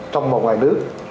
trong và ngoài nước